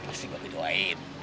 pasti kabe doain